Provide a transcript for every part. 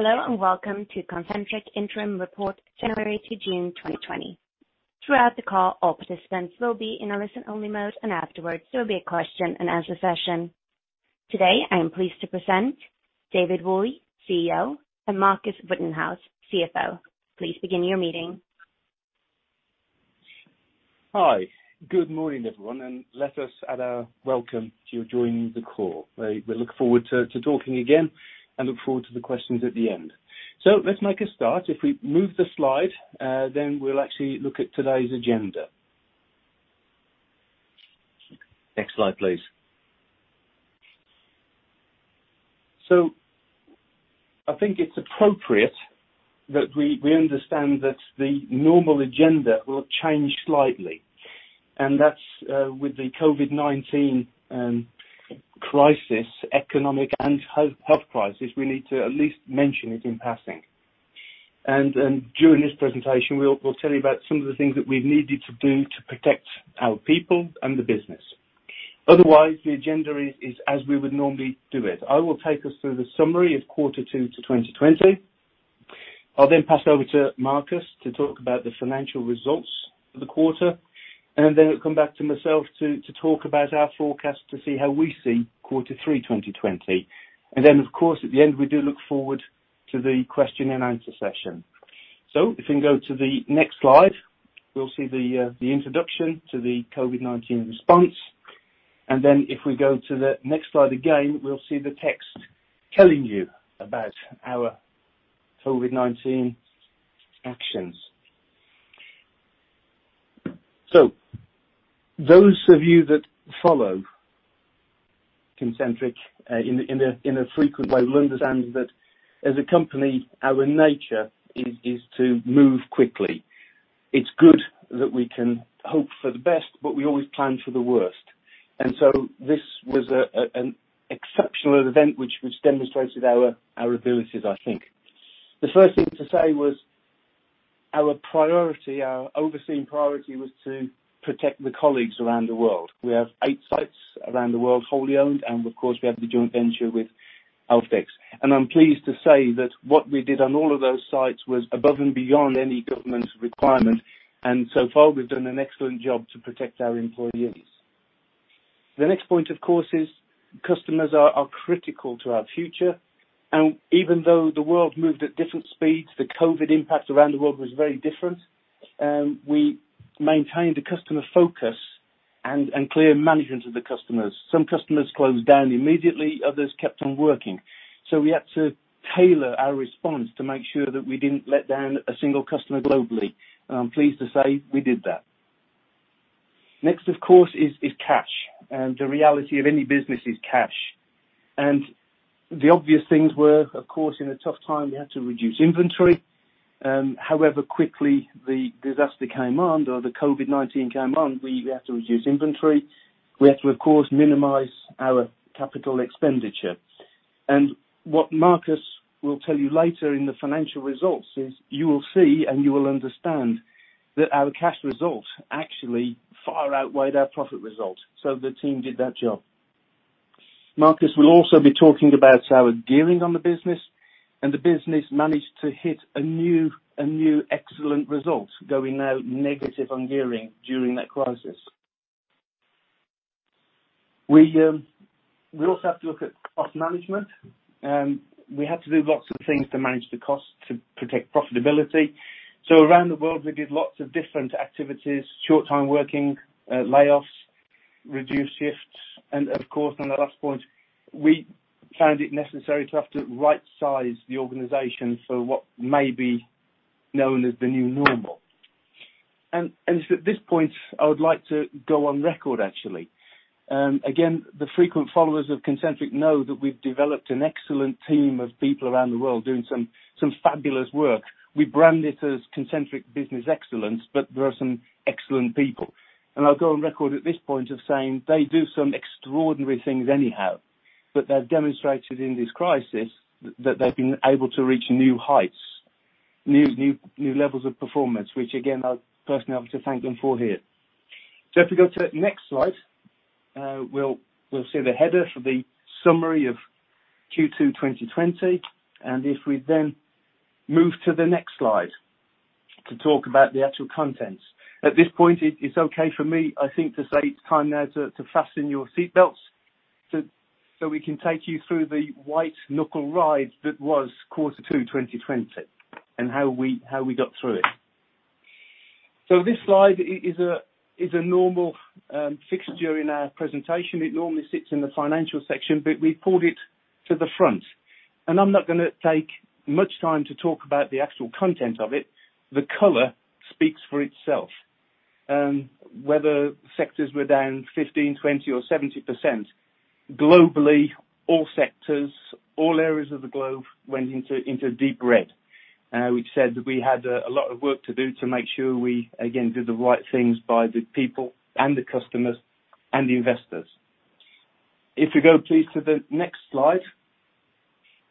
Hello, welcome to Concentric interim report January to June 2020. Throughout the call, all participants will be in a listen-only mode, and afterwards there will be a question-and-answer session. Today, I am pleased to present David Woolley, CEO, and Marcus Whitehouse, CFO. Please begin your meeting. Hi. Good morning, everyone, let us add a welcome to you joining the call. We look forward to talking again and look forward to the questions at the end. Let's make a start. If we move the slide, then we'll actually look at today's agenda. Next slide, please. I think it's appropriate that we understand that the normal agenda will change slightly, and that's with the COVID-19 crisis, economic and health crisis. We need to at least mention it in passing. During this presentation, we'll tell you about some of the things that we've needed to do to protect our people and the business. Otherwise, the agenda is as we would normally do it. I will take us through the summary of quarter two 2020. I'll then pass over to Marcus to talk about the financial results for the quarter, and then it will come back to myself to talk about our forecast to see how we see quarter three 2020. Of course, at the end, we do look forward to the question-and-answer session. If we can go to the next slide, we'll see the introduction to the COVID-19 response. If we go to the next slide again, we'll see the text telling you about our COVID-19 actions. Those of you that follow Concentric in a frequent way will understand that as a company, our nature is to move quickly. It's good that we can hope for the best, but we always plan for the worst. This was an exceptional event which demonstrated our abilities, I think. The first thing to say was our priority, our overseen priority was to protect the colleagues around the world. We have eight sites around the world, wholly owned, and of course, we have the joint venture with Alfdex. I'm pleased to say that what we did on all of those sites was above and beyond any government requirement, so far we've done an excellent job to protect our employees. The next point, of course, is customers are critical to our future. Even though the world moved at different speeds, the COVID impact around the world was very different. We maintained a customer focus and clear management of the customers. Some customers closed down immediately, others kept on working. We had to tailor our response to make sure that we didn't let down a single customer globally. I'm pleased to say we did that. Next, of course, is cash. The reality of any business is cash. The obvious things were, of course, in a tough time, we had to reduce inventory. However quickly the disaster came on or the COVID-19 came on, we had to reduce inventory. We had to, of course, minimize our capital expenditure. What Marcus will tell you later in the financial results is you will see and you will understand that our cash result actually far outweighed our profit result. The team did their job. Marcus will also be talking about our gearing on the business, and the business managed to hit a new excellent result, going now negative on gearing during that crisis. We also have to look at cost management. We had to do lots of things to manage the cost to protect profitability. Around the world, we did lots of different activities, short-time working, layoffs, reduced shifts, and of course, on the last point, we found it necessary to have to right-size the organization for what may be known as the new normal. It's at this point I would like to go on record, actually. Again, the frequent followers of Concentric know that we've developed an excellent team of people around the world doing some fabulous work. We brand it as Concentric Business Excellence, but there are some excellent people. I'll go on record at this point of saying they do some extraordinary things anyhow, but they've demonstrated in this crisis that they've been able to reach new heights, new levels of performance, which again, I personally have to thank them for here. If we go to the next slide, we'll see the header for the summary of Q2 2020. If we then move to the next slide to talk about the actual contents. At this point, it's okay for me, I think, to say it's time now to fasten your seatbelts so we can take you through the white-knuckle ride that was quarter two 2020 and how we got through it. This slide is a normal fixture in our presentation. It normally sits in the financial section, but we pulled it to the front. I'm not gonna take much time to talk about the actual content of it. The color speaks for itself. Whether sectors were down 15%, 20%, or 70%, globally, all sectors, all areas of the globe went into deep red, which said that we had a lot of work to do to make sure we, again, did the right things by the people and the customers and the investors. If you go, please, to the next slide,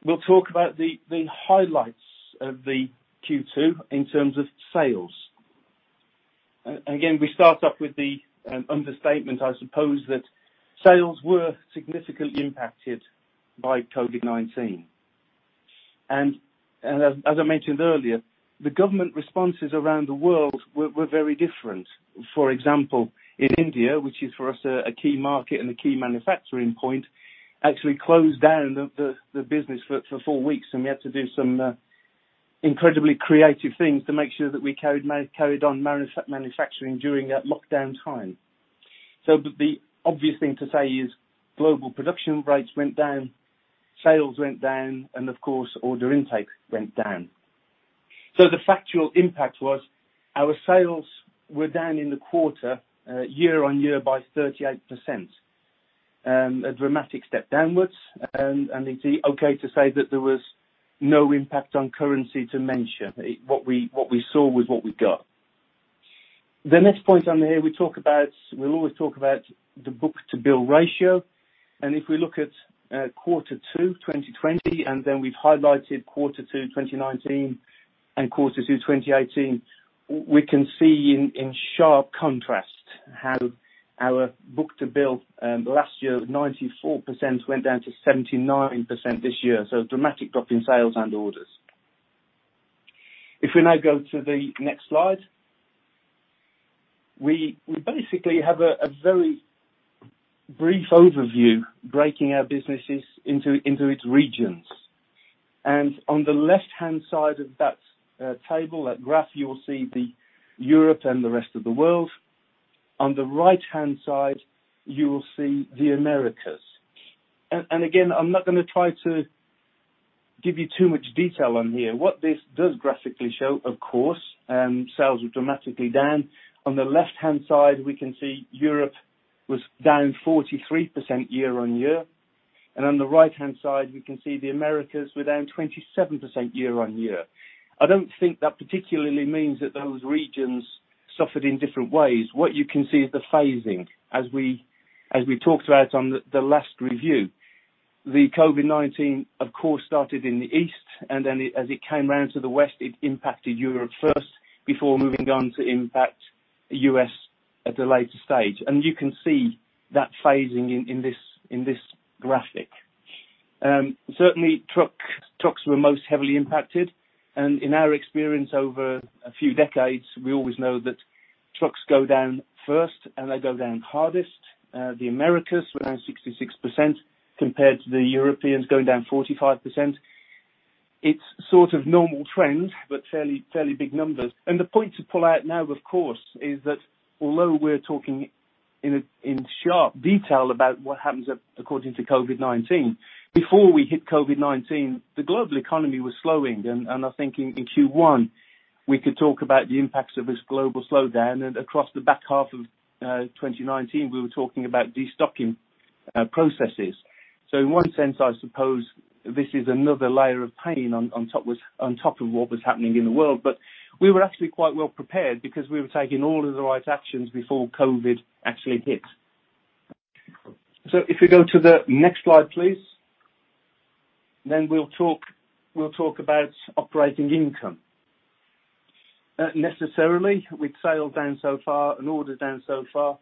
we'll talk about the highlights of the Q2 in terms of sales. We start off with the understatement, I suppose, that sales were significantly impacted by COVID-19. As I mentioned earlier, the government responses around the world were very different. For example, in India, which is for us a key market and a key manufacturing point, actually closed down the business for four weeks, and we had to do some incredibly creative things to make sure that we carried on manufacturing during that lockdown time. The obvious thing to say is global production rates went down, sales went down, and of course, order intake went down. The factual impact was our sales were down in the quarter, year-over-year, by 38%, a dramatic step downwards. It's okay to say that there was no impact on currency to mention. What we saw was what we got. The next point on here, we'll always talk about the book to bill ratio. If we look at quarter two 2020, and then we've highlighted quarter two 2019 and quarter two 2018, we can see in sharp contrast how our book to bill last year was 94%, went down to 79% this year. A dramatic drop in sales and orders. If we now go to the next slide. We basically have a very brief overview, breaking our businesses into its regions. On the left-hand side of that table, that graph, you will see the Europe and the rest of the world. On the right-hand side, you will see the Americas. Again, I'm not going to try to give you too much detail on here. What this does graphically show, of course, sales are dramatically down. On the left-hand side, we can see Europe was down 43% year-on-year. On the right-hand side, we can see the Americas were down 27% year-on-year. I don't think that particularly means that those regions suffered in different ways. What you can see is the phasing as we talked about on the last review. The COVID-19, of course, started in the East, and then as it came round to the West, it impacted Europe first before moving on to impact the U.S. at a later stage. You can see that phasing in this graphic. Certainly, trucks were most heavily impacted. In our experience over a few decades, we always know that trucks go down first and they go down hardest. The Americas were down 66% compared to the Europeans going down 45%. It's sort of normal trends, but fairly big numbers. The point to pull out now, of course, is that although we're talking in sharp detail about what happens according to COVID-19, before we hit COVID-19, the global economy was slowing. I think in Q1, we could talk about the impacts of this global slowdown. Across the back half of 2019, we were talking about destocking processes. In one sense, I suppose this is another layer of pain on top of what was happening in the world. We were actually quite well prepared because we were taking all of the right actions before COVID actually hit. If we go to the next slide, please, we'll talk about operating income. Necessarily, with sales down so far and orders down so far,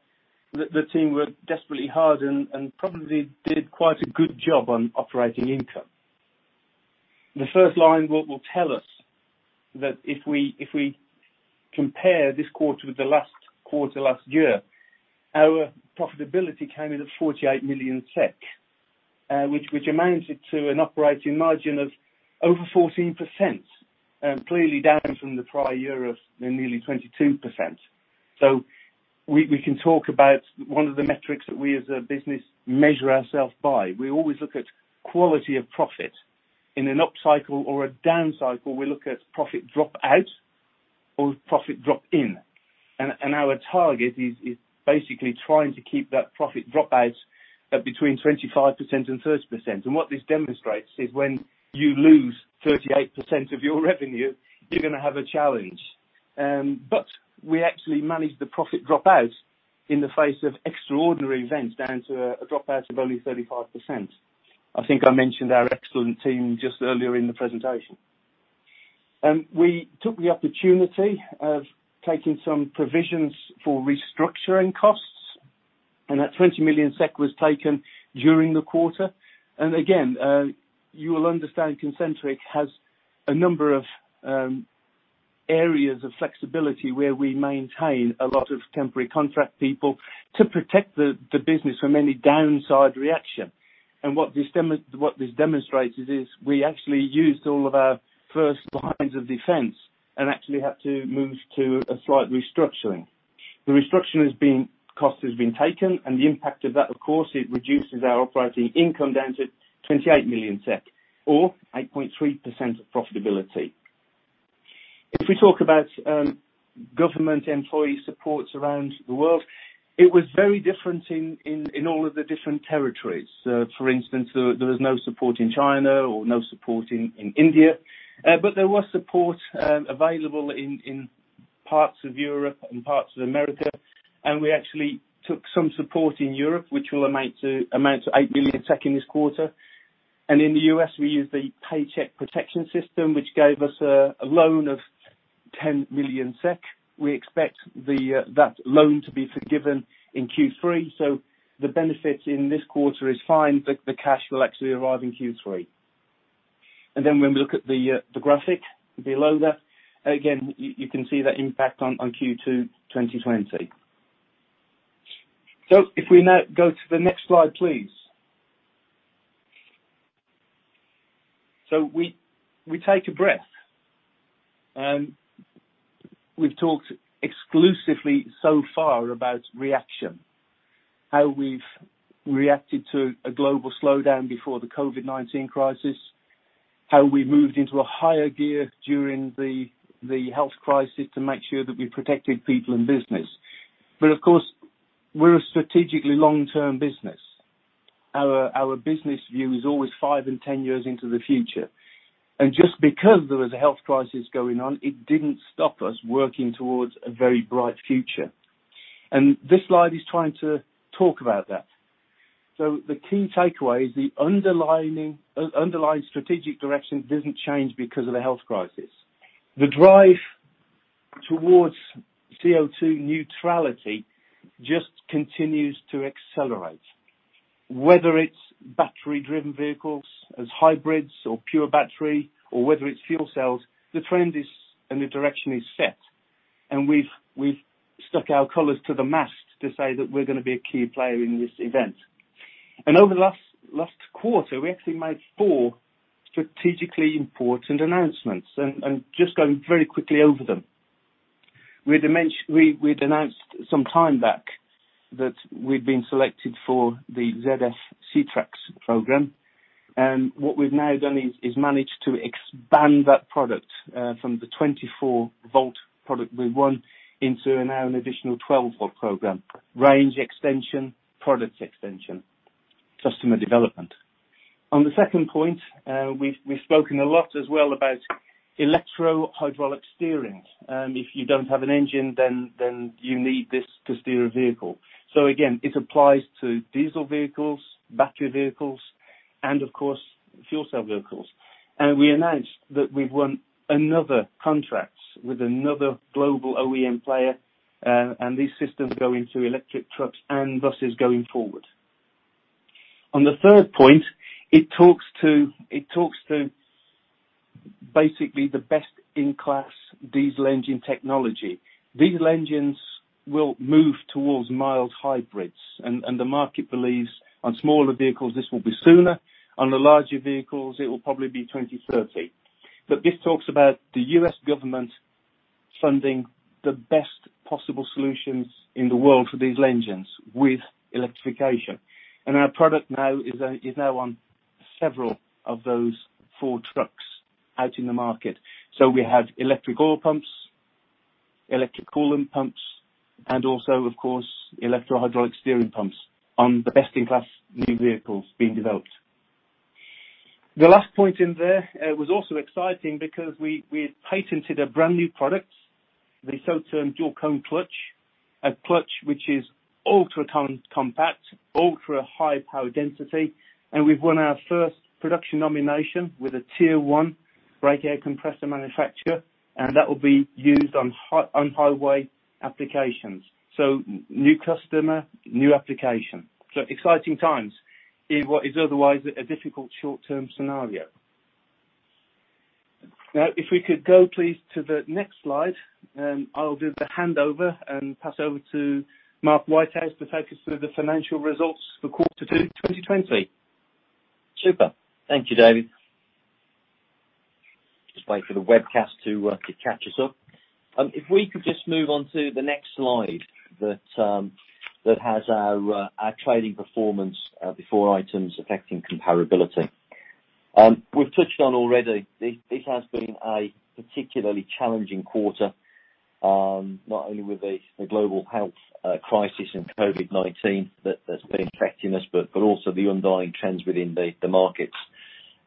the team worked desperately hard and probably did quite a good job on operating income. The first line will tell us that if we compare this quarter with the last quarter last year, our profitability came in at 48 million SEK which amounted to an operating margin of over 14%, clearly down from the prior year of nearly 22%. We can talk about one of the metrics that we as a business measure ourselves by. We always look at quality of profit. In an up cycle or a down cycle, we look at profit drop out or profit drop in. Our target is basically trying to keep that profit drop out between 25% and 30%. What this demonstrates is when you lose 38% of your revenue, you're going to have a challenge. We actually managed the profit drop out in the face of extraordinary events down to a drop out of only 35%. I think I mentioned our excellent team just earlier in the presentation. We took the opportunity of taking some provisions for restructuring costs, and that 20 million SEK was taken during the quarter. Again, you will understand Concentric has a number of areas of flexibility where we maintain a lot of temporary contract people to protect the business from any downside reaction. What this demonstrates is we actually used all of our first lines of defense and actually had to move to a slight restructuring. The restructuring cost has been taken, the impact of that, of course, it reduces our operating income down to 28 million or 8.3% profitability. If we talk about government employee supports around the world, it was very different in all of the different territories. For instance, there was no support in China or no support in India, there was support available in parts of Europe and parts of the U.S. We actually took some support in Europe, which will amount to 8 million in this quarter. In the U.S., we use the Paycheck Protection Program, which gave us a loan of 10 million SEK. We expect that loan to be forgiven in Q3, the benefit in this quarter is fine, the cash will actually arrive in Q3. When we look at the graphic below that, again, you can see that impact on Q2 2020. If we now go to the next slide, please. We take a breath. We've talked exclusively so far about reaction, how we've reacted to a global slowdown before the COVID-19 crisis, how we moved into a higher gear during the health crisis to make sure that we protected people and business. Of course, we're a strategically long-term business. Our business view is always five and 10 years into the future. Just because there was a health crisis going on, it didn't stop us working towards a very bright future. This slide is trying to talk about that. The key takeaway is the underlying strategic direction doesn't change because of the health crisis. The drive towards CO2 neutrality just continues to accelerate, whether it's battery-driven vehicles as hybrids or pure battery, or whether it's fuel cells, the trend and the direction is set. We've stuck our colors to the mast to say that we're going to be a key player in this event. Over the last quarter, we actually made four strategically important announcements, and just going very quickly over them. We'd announced some time back that we'd been selected for the ZF CeTrax program. What we've now done is managed to expand that product from the 24-volt product we won into now an additional 12-volt program. Range extension, product extension, customer development. On the second point, we've spoken a lot as well about electrohydraulic steering. If you don't have an engine, then you need this to steer a vehicle. Again, it applies to diesel vehicles, battery vehicles, and of course, fuel cell vehicles. We announced that we've won another contract with another global OEM player, and these systems go into electric trucks and buses going forward. On the third point, it talks to basically the best-in-class diesel engine technology. Diesel engines will move towards mild hybrids, and the market believes on smaller vehicles, this will be sooner. On the larger vehicles, it will probably be 2030. This talks about the U.S. government funding the best possible solutions in the world for diesel engines with electrification. Our product now is now on several of those four trucks out in the market. We have electric oil pumps, electric coolant pumps, and also, of course, electrohydraulic steering pumps on the best-in-class new vehicles being developed. The last point in there was also exciting because we had patented a brand-new product, the so-termed Dual Cone Clutch, a clutch which is ultra-compact, ultra-high power density, and we've won our first production nomination with a Tier 1 brake air compressor manufacturer, and that will be used on highway applications. New customer, new application. Exciting times in what is otherwise a difficult short-term scenario. If we could go, please, to the next slide, I'll do the handover and pass over to Marcus Whitehouse to take us through the financial results for quarter two 2020. Super. Thank you, David. Just wait for the webcast to catch us up. If we could just move on to the next slide that has our trading performance before items affecting comparability. We've touched on already, this has been a particularly challenging quarter, not only with the global health crisis and COVID-19 that has been affecting us, but also the underlying trends within the markets.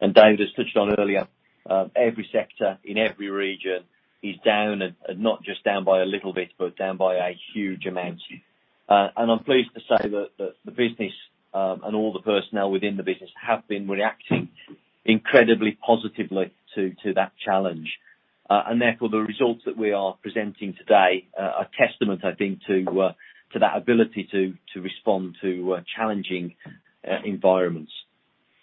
David has touched on earlier every sector in every region is down, and not just down by a little bit, but down by a huge amount. I'm pleased to say that the business, and all the personnel within the business have been reacting incredibly positively to that challenge. Therefore, the results that we are presenting today are testament, I think, to that ability to respond to challenging environments.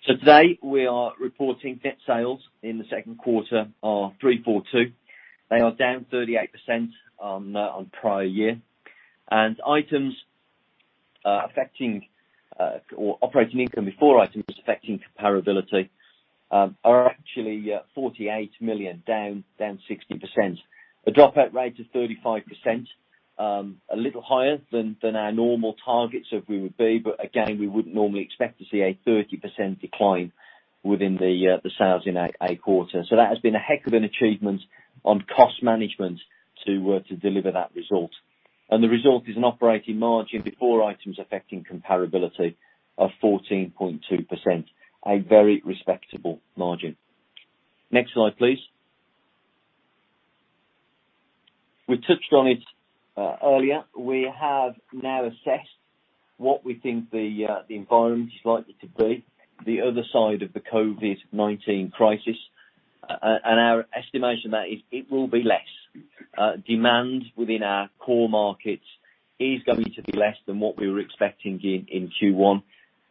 Today, we are reporting net sales in the second quarter are 342. They are down 38% on prior year. Operating income before items affecting comparability are actually 48 million, down 60%. The dropout rate is 35%, a little higher than our normal targets of we would be, again, we wouldn't normally expect to see a 30% decline within the sales in a quarter. That has been a heck of an achievement on cost management to deliver that result. The result is an operating margin before items affecting comparability of 14.2%, a very respectable margin. Next slide, please. We touched on it earlier. We have now assessed what we think the environment is likely to be the other side of the COVID-19 crisis. Our estimation there is, it will be less. Demand within our core markets is going to be less than what we were expecting in Q1.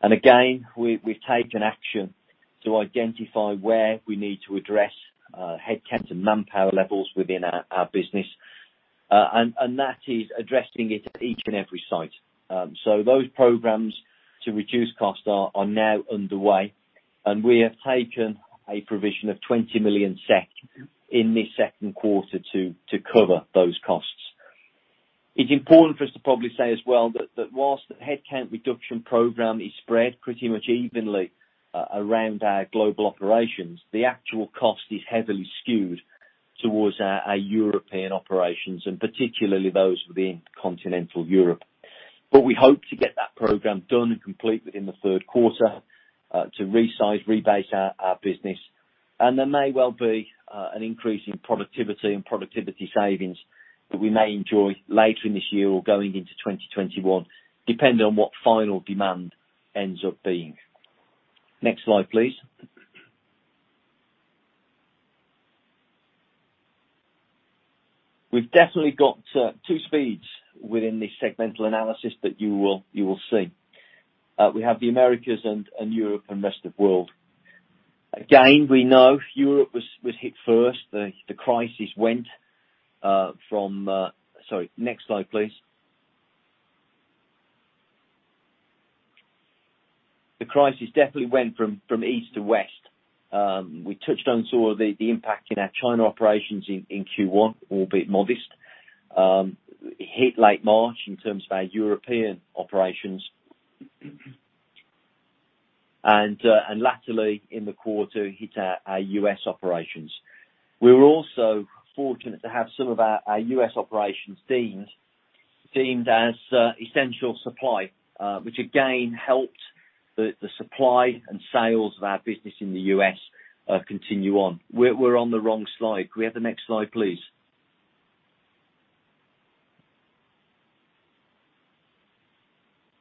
Again, we've taken action to identify where we need to address headcount and manpower levels within our business. That is addressing it at each and every site. Those programs to reduce costs are now underway, and we have taken a provision of 20 million SEK in this second quarter to cover those costs. It's important for us to probably say as well that, whilst the headcount reduction program is spread pretty much evenly around our global operations, the actual cost is heavily skewed towards our European operations, and particularly those within continental Europe. We hope to get that program done and complete within the third quarter, to resize, rebase our business. There may well be an increase in productivity and productivity savings that we may enjoy later in this year or going into 2021, depending on what final demand ends up being. Next slide, please. We've definitely got two speeds within this segmental analysis that you will see. We have the Americas and Europe and rest of world. We know Europe was hit first. The crisis went from Sorry. Next slide, please. The crisis definitely went from east to west. We touched on sort of the impact in our China operations in Q1, albeit modest. Hit late March in terms of our European operations. Latterly in the quarter, hit our U.S. operations. We were also fortunate to have some of our U.S. operations deemed as essential supply, which again helped the supply and sales of our business in the U.S. continue on. We're on the wrong slide. Can we have the next slide, please?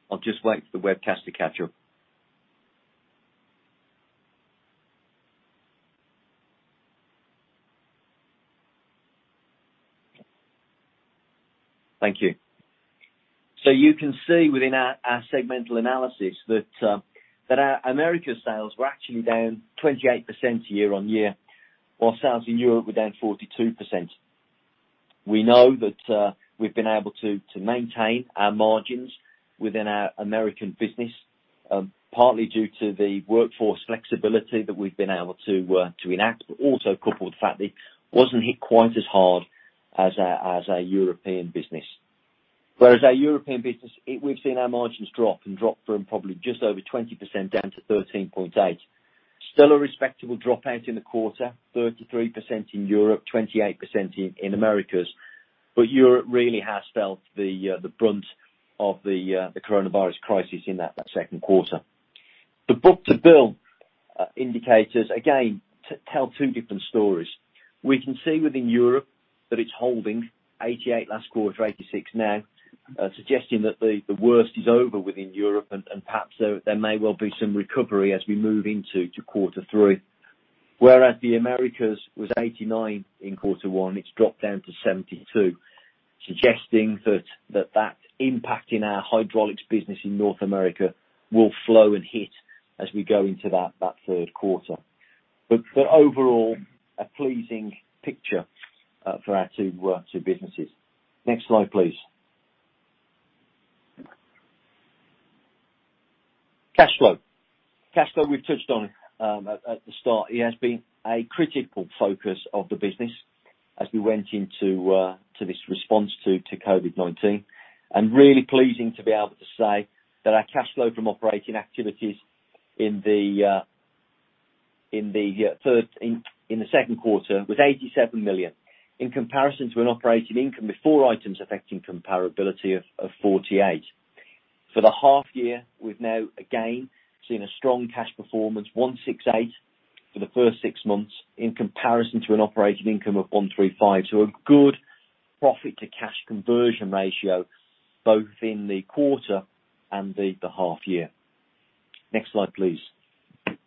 I'll just wait for the webcast to catch up. Thank you. You can see within our segmental analysis that our America sales were actually down 28% year-over-year, while sales in Europe were down 42%. We know that we've been able to maintain our margins within our American business, partly due to the workforce flexibility that we've been able to enact, but also coupled with the fact that it wasn't hit quite as hard as our European business. Whereas our European business, we've seen our margins drop from probably just over 20% down to 13.8%. Still a respectable drop out in the quarter, 33% in Europe, 28% in Americas. Europe really has felt the brunt of the coronavirus crisis in that second quarter. The book to bill indicators, again, tell two different stories. We can see within Europe that it's holding 88 last quarter, 86 now, suggesting that the worst is over within Europe and perhaps there may well be some recovery as we move into quarter three. The Americas was 89 in quarter one, it's dropped down to 72, suggesting that that impact in our hydraulics business in North America will flow and hit as we go into that third quarter. Overall, a pleasing picture for our two businesses. Next slide, please. Cash flow. Cash flow we've touched on at the start. It has been a critical focus of the business as we went into this response to COVID-19. Really pleasing to be able to say that our cash flow from operating activities in the second quarter was 87 million, in comparison to an operating income before items affecting comparability of 48 million. For the half year, we've now again, seen a strong cash performance, 168 for the first six months in comparison to an operating income of 135. A good profit to cash conversion ratio both in the quarter and the half year. Next slide, please. The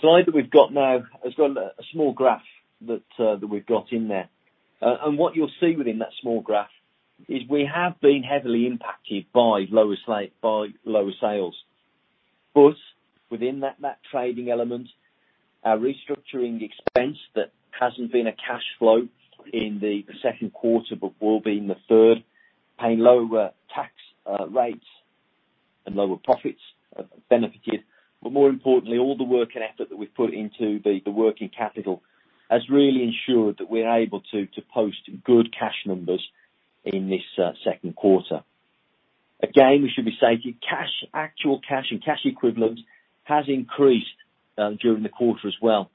slide that we've got now has got a small graph that we've got in there. What you'll see within that small graph is we have been heavily impacted by lower sales. Within that trading element, our restructuring expense that hasn't been a cash flow in the second quarter but will be in the third, paying lower tax rates and lower profits benefited. More importantly, all the work and effort that we've put into the working capital has really ensured that we're able to post good cash numbers in this second quarter. We should be saying actual cash and cash equivalents has increased during the quarter as well,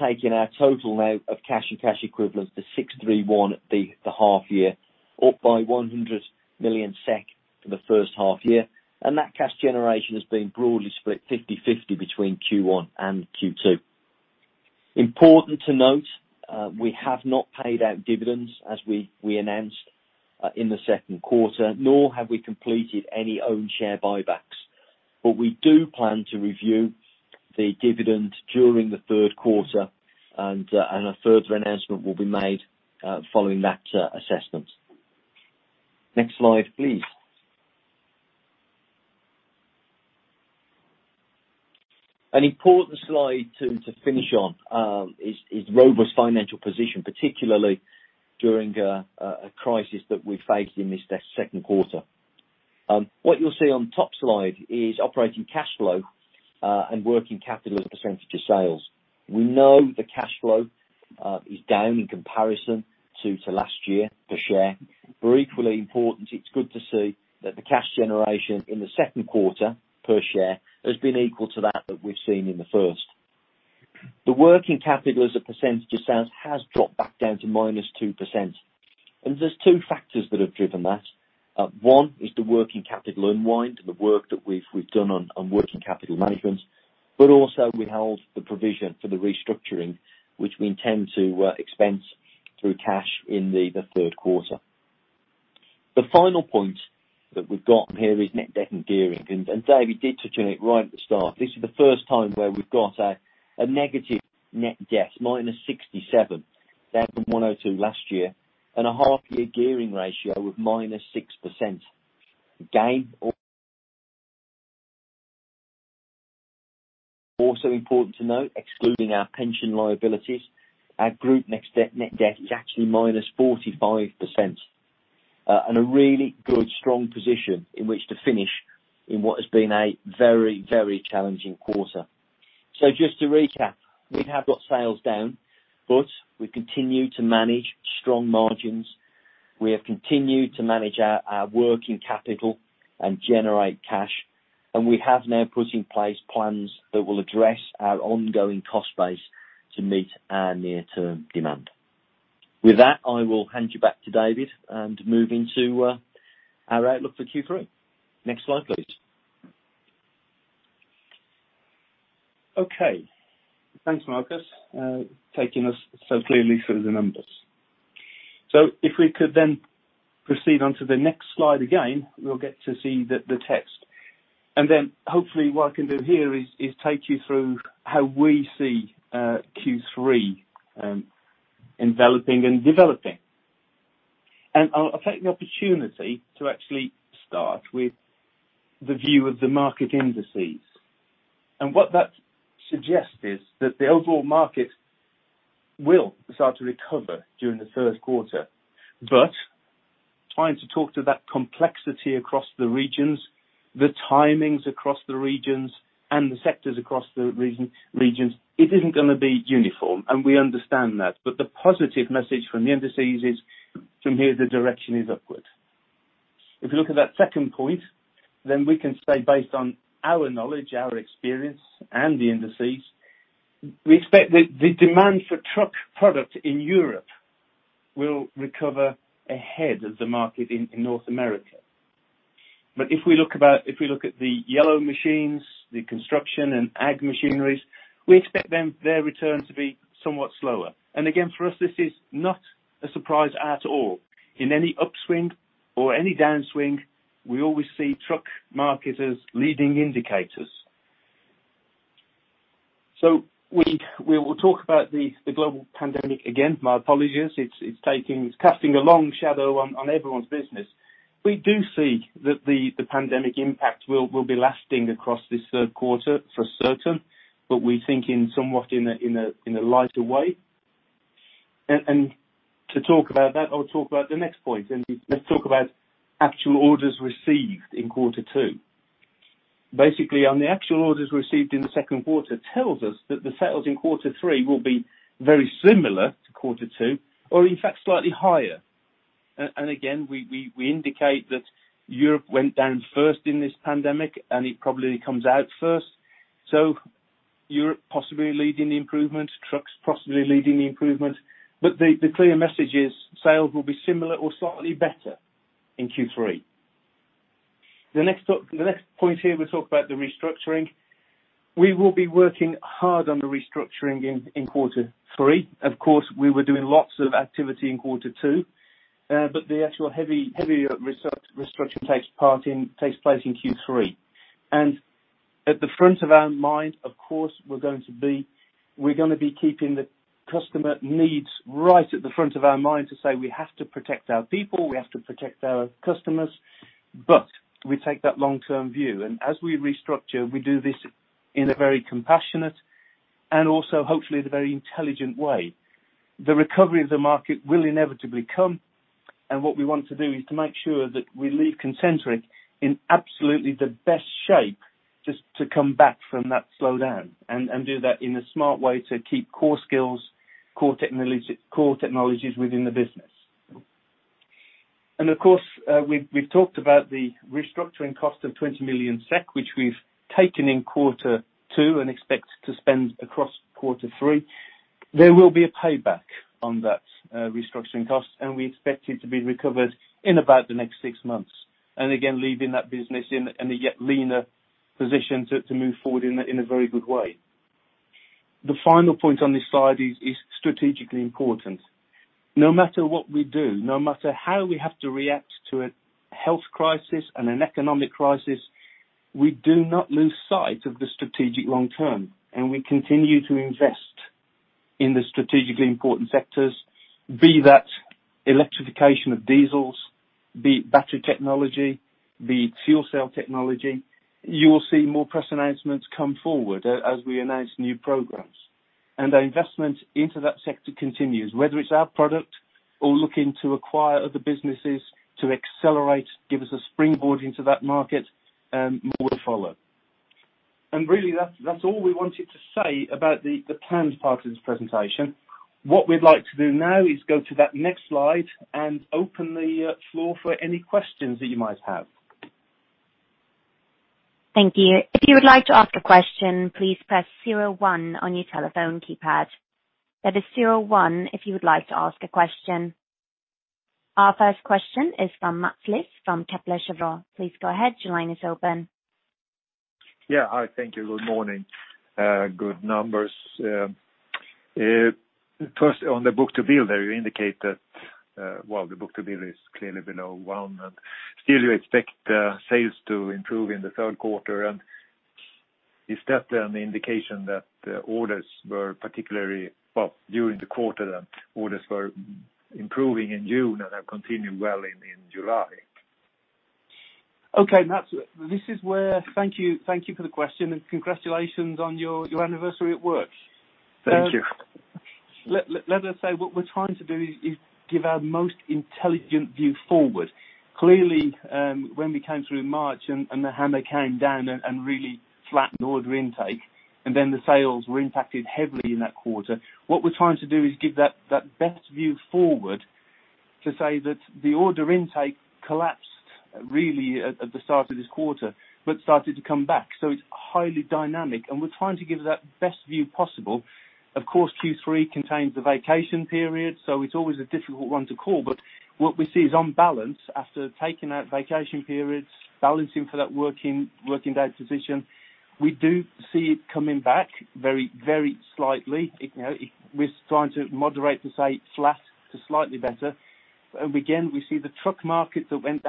taking our total now of cash and cash equivalents to 631 the half year, up by 100 million SEK. For the first half year. That cash generation has been broadly split 50/50 between Q1 and Q2. Important to note, we have not paid out dividends as we announced in the second quarter, nor have we completed any own share buybacks. We do plan to review the dividend during the third quarter, and a further announcement will be made following that assessment. Next slide, please. An important slide to finish on is robust financial position, particularly during a crisis that we faced in this second quarter. What you'll see on top slide is operating cash flow and working capital as a percentage of sales. We know the cash flow is down in comparison to last year per share, but equally important, it's good to see that the cash generation in the second quarter per share has been equal to that that we've seen in the first. The working capital as a percentage of sales has dropped back down to minus 2%, and there's two factors that have driven that. One is the working capital unwind and the work that we've done on working capital management, but also we have the provision for the restructuring, which we intend to expense through cash in the third quarter. The final point that we've got here is net debt and gearing. David did touch on it right at the start. This is the first time where we've got a negative net debt, minus 67, down from 102 last year, and a half year gearing ratio of minus 6%. Also important to note, excluding our pension liabilities, our group net debt is actually minus 45%, and a really good, strong position in which to finish in what has been a very, very challenging quarter. Just to recap, we have got sales down, but we continue to manage strong margins. We have continued to manage our working capital and generate cash. We have now put in place plans that will address our ongoing cost base to meet our near-term demand. With that, I will hand you back to David and move into our outlook for Q3. Next slide, please. Okay. Thanks, Marcus, taking us so clearly through the numbers. If we could proceed onto the next slide again, we'll get to see the text. Hopefully what I can do here is take you through how we see Q3 enveloping and developing. I'll take the opportunity to actually start with the view of the market indices. What that suggests is that the overall market will start to recover during the first quarter. Trying to talk to that complexity across the regions, the timings across the regions, and the sectors across the regions, it isn't going to be uniform, and we understand that. The positive message from the indices is from here, the direction is upward. You look at that second point, we can say based on our knowledge, our experience, and the indices, we expect the demand for truck product in Europe will recover ahead of the market in North America. If we look at the yellow machines, the construction and ag machineries, we expect their return to be somewhat slower. Again, for us, this is not a surprise at all. In any upswing or any downswing, we always see truck markets as leading indicators. We will talk about the global pandemic again, my apologies. It's casting a long shadow on everyone's business. We do see that the pandemic impact will be lasting across this third quarter for certain, but we think in somewhat in a lighter way. To talk about that, I'll talk about the next point, let's talk about actual orders received in quarter two. Basically, on the actual orders received in the second quarter tells us that the sales in quarter three will be very similar to quarter two, or in fact, slightly higher. Again, we indicate that Europe went down first in this pandemic, and it probably comes out first. Europe possibly leading the improvement, trucks possibly leading the improvement. The clear message is sales will be similar or slightly better in Q3. The next point here, we talk about the restructuring. We will be working hard on the restructuring in quarter three. Of course, we were doing lots of activity in quarter two, but the actual heavy restructuring takes place in Q3. At the front of our mind, of course, we're going to be keeping the customer needs right at the front of our mind to say we have to protect our people, we have to protect our customers, but we take that long-term view. As we restructure, we do this in a very compassionate and also hopefully in a very intelligent way. The recovery of the market will inevitably come, and what we want to do is to make sure that we leave Concentric in absolutely the best shape just to come back from that slowdown, and do that in a smart way to keep core skills, core technologies within the business. Of course, we've talked about the restructuring cost of 20 million SEK, which we've taken in quarter two and expect to spend across quarter three. There will be a payback on that restructuring cost, and we expect it to be recovered in about the next six months. Again, leaving that business in a yet leaner position to move forward in a very good way. The final point on this slide is strategically important. No matter what we do, no matter how we have to react to a health crisis and an economic crisis, we do not lose sight of the strategic long term, and we continue to invest in the strategically important sectors, be that electrification of diesels, be it battery technology, be it fuel cell technology. You will see more press announcements come forward as we announce new programs. Our investment into that sector continues, whether it's our product or looking to acquire other businesses to accelerate, give us a springboard into that market, more to follow. Really that's all we wanted to say about the planned part of this presentation. What we'd like to do now is go to that next slide and open the floor for any questions that you might have. Thank you. If you would like to ask a question, please press zero one on your telephone keypad. That is zero one if you would like to ask a question. Our first question is from Mats Liss from Kepler Cheuvreux. Please go ahead. Your line is open. Yeah. Hi. Thank you. Good morning. Good numbers. First, on the book to bill there, you indicate that while the book to bill is clearly below one, still you expect sales to improve in the third quarter. Is that an indication that orders were particularly Well, during the quarter, orders were improving in June and have continued well in July? Okay, Mats. Thank you for the question and congratulations on your anniversary at work. Thank you. Let us say what we're trying to do is give our most intelligent view forward. Clearly, when we came through March and the hammer came down and really flattened order intake, and then the sales were impacted heavily in that quarter, what we're trying to do is give that best view forward to say that the order intake collapsed really at the start of this quarter, but started to come back. It's highly dynamic, and we're trying to give that best view possible. Of course, Q3 contains the vacation period, so it's always a difficult one to call, but what we see is on balance, after taking out vacation periods, balancing for that working day position, we do see it coming back very slightly. We're trying to moderate to say flat to slightly better. Again, we see the truck market that went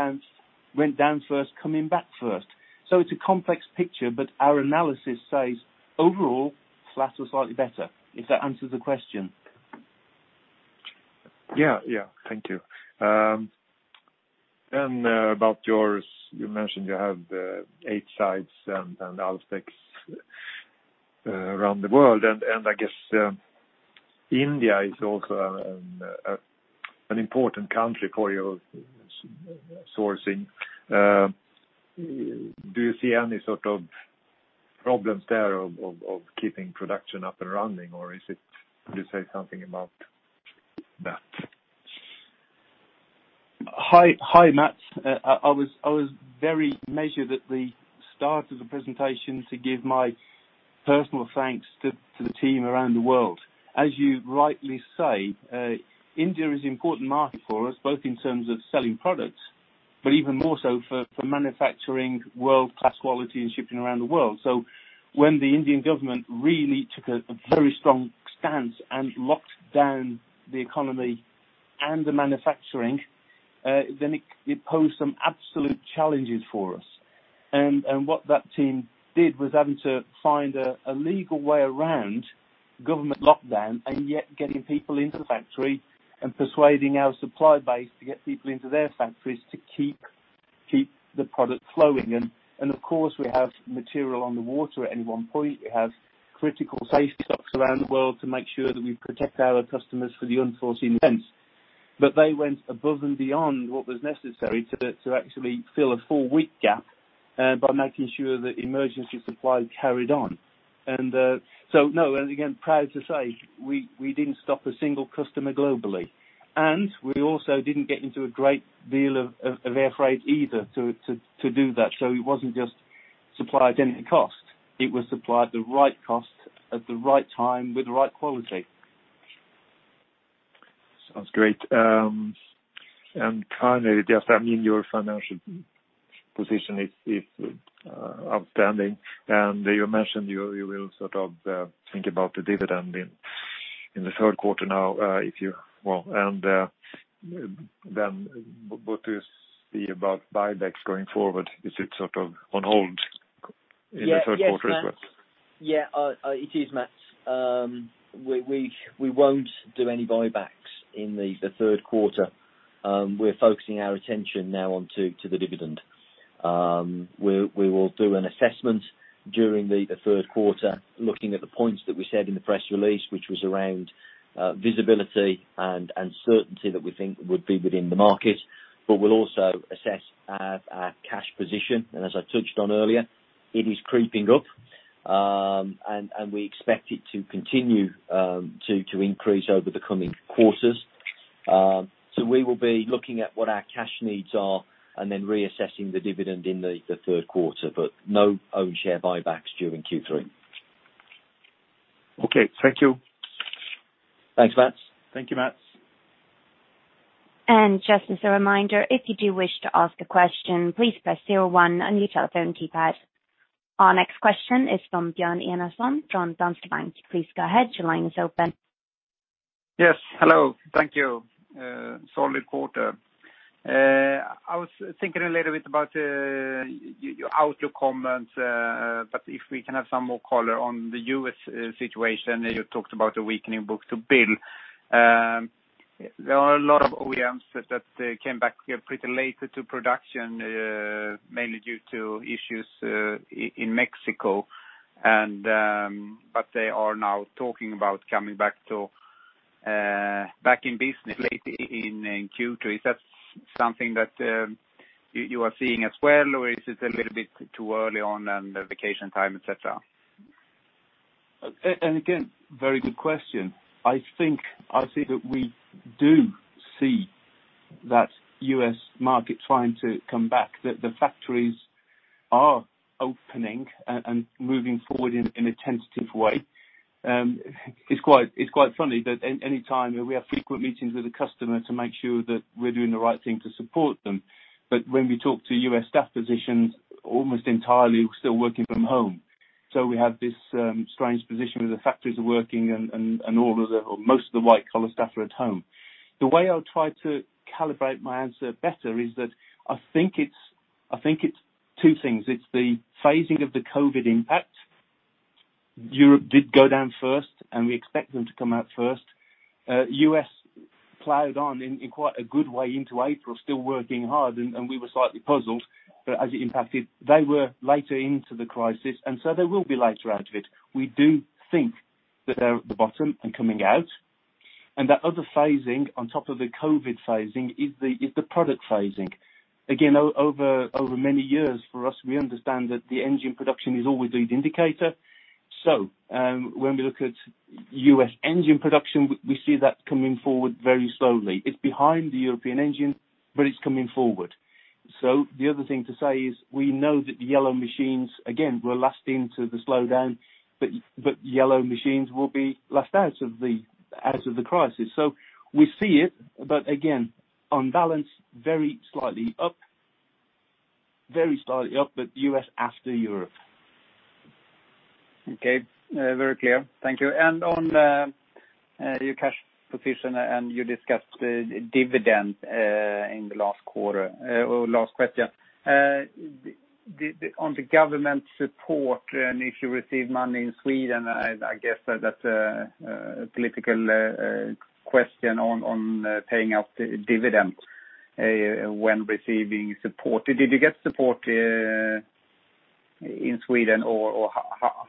down first, coming back first. It's a complex picture, but our analysis says overall, flat or slightly better, if that answers the question. Yeah. Thank you. About yours, you mentioned you have eight sites and other things around the world. I guess India is also an important country for your sourcing. Do you see any sort of problems there of keeping production up and running? Could you say something about that? Hi, Mats. I was very measured at the start of the presentation to give my personal thanks to the team around the world. As you rightly say, India is an important market for us, both in terms of selling products, but even more so for manufacturing world-class quality and shipping around the world. When the Indian government really took a very strong stance and locked down the economy and the manufacturing, it posed some absolute challenges for us. What that team did was having to find a legal way around government lockdown and yet getting people into the factory and persuading our supply base to get people into their factories to keep the product flowing. Of course, we have material on the water at any one point. We have critical safety stocks around the world to make sure that we protect our customers for the unforeseen events. They went above and beyond what was necessary to actually fill a four-week gap, by making sure that emergency supply carried on. No, and again, proud to say we didn't stop a single customer globally. We also didn't get into a great deal of air freight either to do that. It wasn't just supply at any cost. It was supply at the right cost at the right time with the right quality. Sounds great. Currently, I mean, your financial position is outstanding. You mentioned you will sort of think about the dividend in the third quarter now. What is the about buybacks going forward? Is it sort of on hold in the third quarter as well? Yeah. It is, Mats. We won't do any buybacks in the third quarter. We're focusing our attention now on to the dividend. We will do an assessment during the third quarter, looking at the points that we said in the press release, which was around visibility and certainty that we think would be within the market. We'll also assess our cash position. As I touched on earlier, it is creeping up, and we expect it to continue to increase over the coming quarters. We will be looking at what our cash needs are and then reassessing the dividend in the third quarter, but no own share buybacks during Q3. Okay. Thank you. Thanks, Mats. Thank you, Mats. Just as a reminder, if you do wish to ask a question, please press zero one on your telephone keypad. Our next question is from Björn Enarson from Danske Bank. Please go ahead. Your line is open. Yes, hello. Thank you. Solid quarter. I was thinking a little bit about your outlook comments. If we can have some more color on the U.S. situation, you talked about the weakening book-to-bill. There are a lot of OEMs that came back pretty late to production, mainly due to issues in Mexico. They are now talking about coming back in business lately in Q3. Is that something that you are seeing as well, or is it a little bit too early on and the vacation time, et cetera? Again, very good question. I think that we do see that U.S. market trying to come back, that the factories are opening and moving forward in a tentative way. It's quite funny that any time we have frequent meetings with a customer to make sure that we're doing the right thing to support them. When we talk to U.S. staff positions, almost entirely still working from home. We have this strange position where the factories are working and most of the white-collar staff are at home. The way I'll try to calibrate my answer better is that I think it's two things. It's the phasing of the COVID-19 impact. Europe did go down first, and we expect them to come out first. U.S. plowed on in quite a good way into April, still working hard, and we were slightly puzzled as it impacted. They were later into the crisis, and so they will be later out of it. We do think that they're at the bottom and coming out, and that other phasing on top of the COVID phasing is the product phasing. Again, over many years for us, we understand that the engine production is always the indicator. When we look at U.S. engine production, we see that coming forward very slowly. It's behind the European engine, but it's coming forward. The other thing to say is we know that the yellow machines, again, were last into the slowdown, but yellow machines will be last out of the crisis. We see it, but again, on balance, very slightly up, but U.S. after Europe. Okay. Very clear. Thank you. On your cash position and you discussed the dividend in the last quarter, or last question. On the government support and if you receive money in Sweden, I guess that's a political question on paying out dividends when receiving support. Did you get support in Sweden, or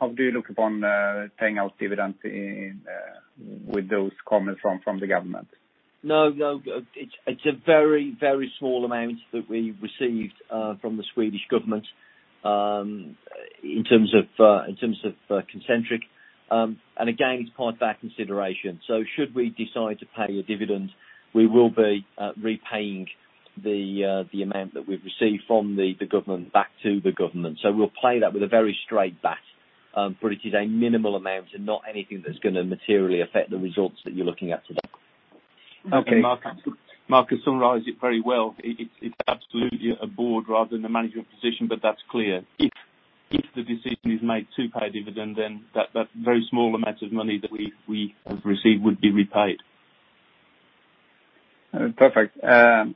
how do you look upon paying out dividends with those comments from the government? No. It's a very small amount that we received from the Swedish government in terms of Concentric. Again, it's part of our consideration. Should we decide to pay a dividend, we will be repaying the amount that we've received from the government back to the government. We'll play that with a very straight bat, but it is a minimal amount and not anything that's going to materially affect the results that you're looking at today. Okay. Marcus has summarized it very well. It's absolutely a board rather than a management position, but that's clear. If the decision is made to pay a dividend, then that very small amount of money that we have received would be repaid. Perfect. The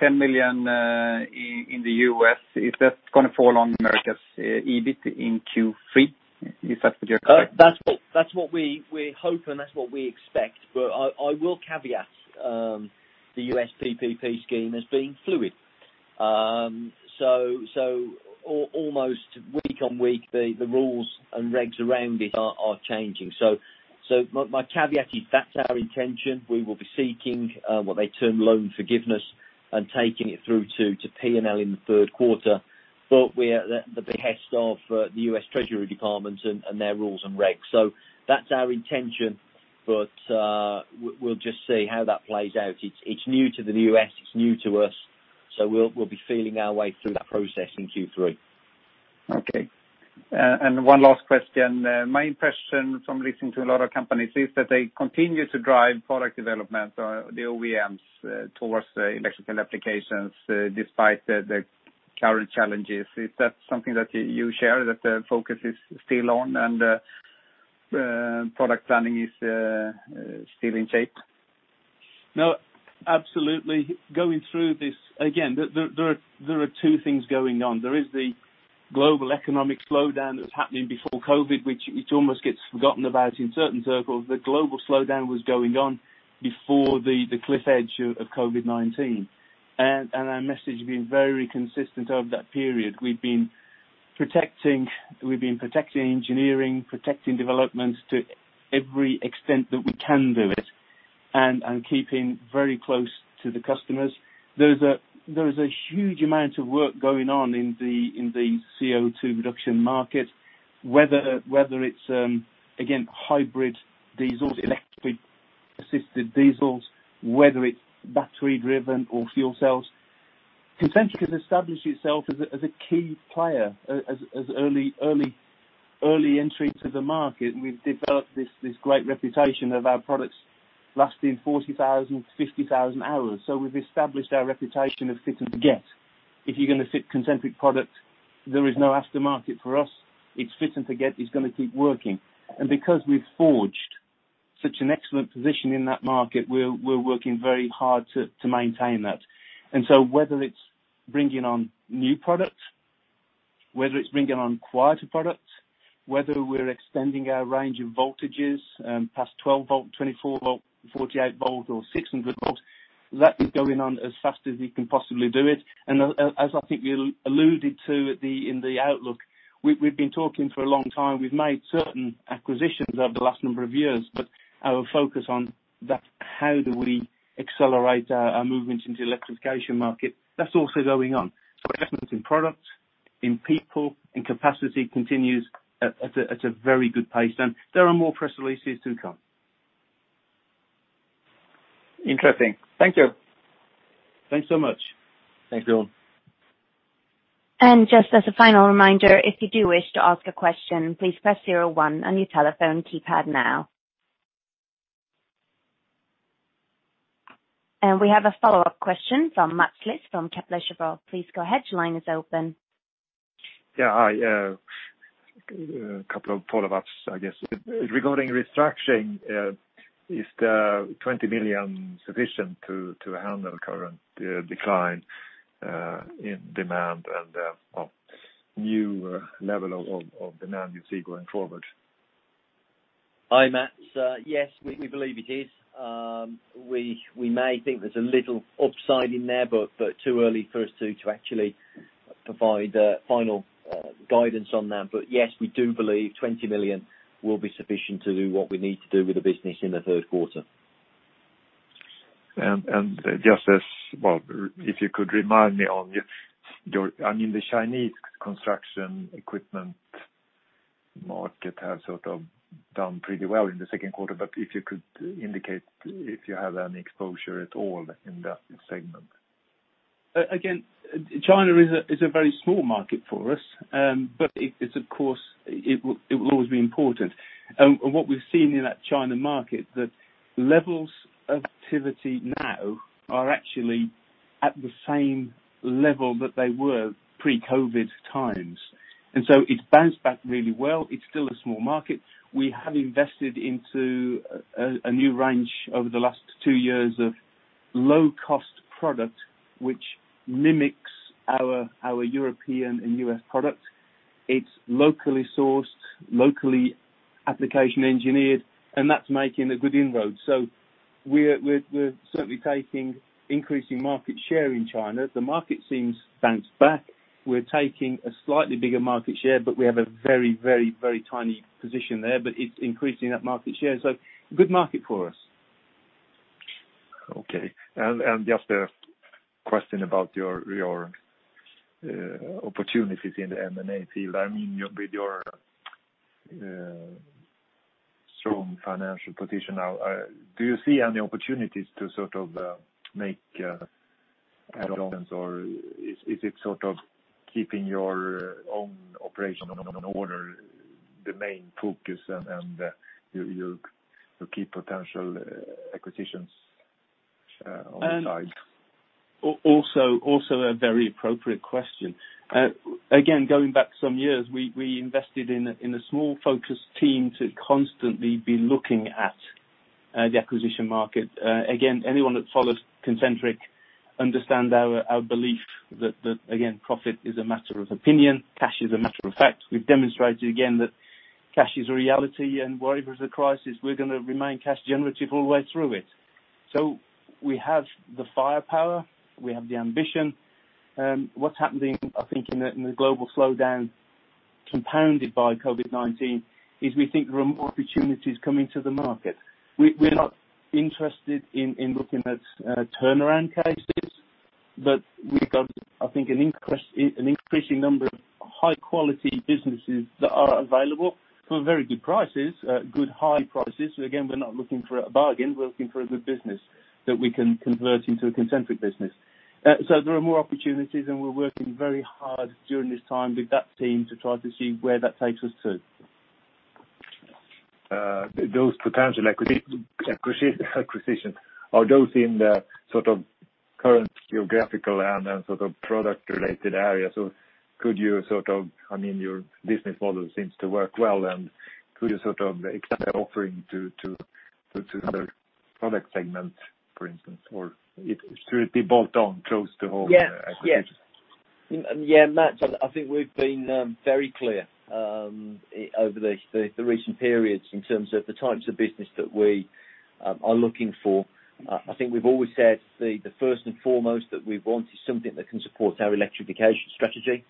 10 million in the U.S., is that going to fall on America's EBIT in Q3? Is that what you're? That's what we hope, and that's what we expect. I will caveat the U.S. PPP scheme as being fluid. Almost week on week, the rules and regs around it are changing. My caveat is that's our intention. We will be seeking what they term loan forgiveness and taking it through to P&L in the third quarter. We're at the behest of the U.S. Department of the Treasury and their rules and regs. That's our intention, but we'll just see how that plays out. It's new to the U.S., it's new to us, so we'll be feeling our way through that process in Q3. Okay. One last question. My impression from listening to a lot of companies is that they continue to drive product development, the OEMs, towards electrical applications despite the current challenges. Is that something that you share, that the focus is still on and product planning is still in shape? No, absolutely. Going through this, again, there are two things going on. There is the global economic slowdown that was happening before COVID-19, which almost gets forgotten about in certain circles. The global slowdown was going on before the cliff edge of COVID-19. Our message has been very consistent over that period. We've been protecting engineering, protecting development to every extent that we can do it, and keeping very close to the customers. There is a huge amount of work going on in the CO2 reduction market. Whether it's, again, hybrid diesels, electrically assisted diesels, whether it's battery-driven or fuel cells, Concentric has established itself as a key player, as early entry to the market. We've developed this great reputation of our products lasting 40,000 to 50,000 hours. We've established our reputation of fit and forget. If you're going to fit Concentric product, there is no aftermarket for us. It's fit and forget. It's going to keep working. Because we've forged such an excellent position in that market, we're working very hard to maintain that. Whether it's bringing on new product, whether it's bringing on quieter product, whether we're extending our range of voltages, past 12 volt, 24 volt, 48 volt or 600 volts, that is going on as fast as we can possibly do it. As I think we alluded to in the outlook, we've been talking for a long time. We've made certain acquisitions over the last number of years, but our focus on that, how do we accelerate our movements into the electrification market? That's also going on. Investments in product, in people, in capacity continues at a very good pace. There are more press releases to come. Interesting. Thank you. Thanks so much. Thank you all. Just as a final reminder, if you do wish to ask a question, please press zero one on your telephone keypad now. We have a follow-up question from Mats Liss from Kepler Cheuvreux. Please go ahead. Your line is open. Yeah. A couple of follow-ups, I guess. Regarding restructuring, is the 20 million sufficient to handle current decline in demand and new level of demand you see going forward? Hi, Mats. Yes, we believe it is. We may think there's a little upside in there, but too early for us to actually provide final guidance on that. Yes, we do believe 20 million will be sufficient to do what we need to do with the business in the third quarter. Just as well, if you could remind me. The Chinese construction equipment market has done pretty well in the second quarter, but if you could indicate if you have any exposure at all in that segment? China is a very small market for us, but it will always be important. What we've seen in that China market, that levels of activity now are actually at the same level that they were pre-COVID-19 times. It's bounced back really well. It's still a small market. We have invested into a new range over the last two years of low-cost product, which mimics our European and U.S. product. It's locally sourced, locally application engineered, that's making a good inroad. We're certainly taking increasing market share in China. The market seems bounced back. We're taking a slightly bigger market share, we have a very tiny position there. It's increasing that market share. Good market for us. Okay. Just a question about your opportunities in the M&A field. With your strong financial position now, do you see any opportunities to make add-ons? Is it keeping your own operation in order the main focus and you keep potential acquisitions on the side? Also a very appropriate question. Again, going back some years, we invested in a small focused team to constantly be looking at the acquisition market. Again, anyone that follows Concentric understand our belief that, again, profit is a matter of opinion, cash is a matter of fact. We've demonstrated again that cash is a reality, and whatever is the crisis, we're going to remain cash generative all the way through it. We have the firepower, we have the ambition. What's happening, I think, in the global slowdown compounded by COVID-19, is we think there are more opportunities coming to the market. We're not interested in looking at turnaround cases, but we've got, I think, an increasing number of high-quality businesses that are available for very good prices, good high prices. Again, we're not looking for a bargain, we're looking for a good business that we can convert into a Concentric business. There are more opportunities, and we're working very hard during this time with that team to try to see where that takes us to. Those potential acquisitions, are those in the current geographical and then product related areas? Your business model seems to work well, and could you extend the offering to other product segments, for instance? Should it be bolt on close to home acquisitions? Yes. Mats, I think we've been very clear over the recent periods in terms of the types of business that we are looking for. I think we've always said the first and foremost that we want is something that can support our electrification strategy,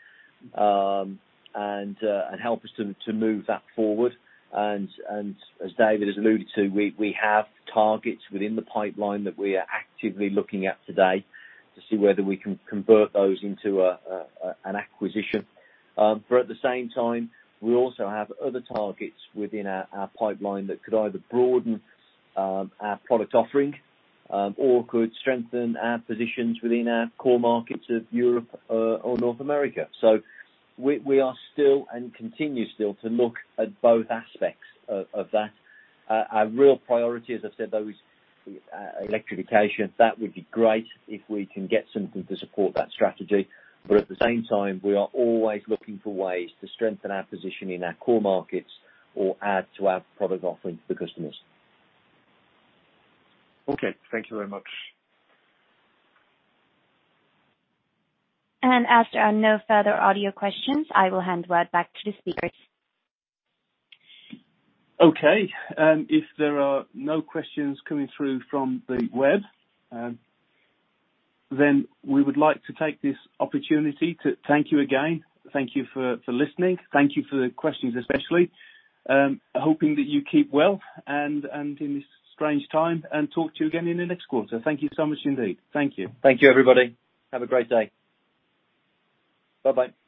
and help us to move that forward. As David has alluded to, we have targets within the pipeline that we are actively looking at today to see whether we can convert those into an acquisition. At the same time, we also have other targets within our pipeline that could either broaden our product offering, or could strengthen our positions within our core markets of Europe or North America. We are still, and continue still, to look at both aspects of that. Our real priority, as I said, though, is electrification. That would be great if we can get something to support that strategy. At the same time, we are always looking for ways to strengthen our position in our core markets or add to our product offering for the customers. Okay. Thank you very much. As there are no further audio questions, I will hand word back to the speakers. Okay. If there are no questions coming through from the web, we would like to take this opportunity to thank you again. Thank you for listening. Thank you for the questions especially. Hoping that you keep well and in this strange time, talk to you again in the next quarter. Thank you so much indeed. Thank you. Thank you, everybody. Have a great day. Bye-bye.